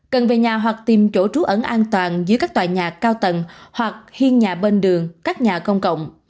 cần về nhà hoặc tìm chỗ trú ẩn an toàn dưới các tòa nhà cao tầng hoặc hiên nhà bên đường các nhà công cộng